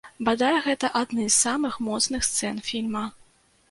Бадай, гэта адны з самых моцных сцэн фільма.